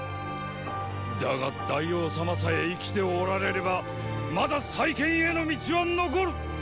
だが大王様さえ生きておられればまだ再建への道は残る。